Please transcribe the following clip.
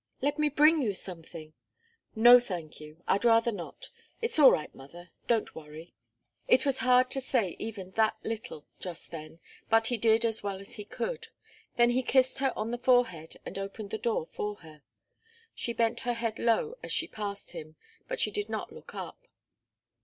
"Let me bring you something " "No, thank you. I'd rather not. It's all right, mother. Don't worry." It was hard to say even that little, just then, but he did as well as he could. Then he kissed her on the forehead and opened the door for her. She bent her head low as she passed him, but she did not look up.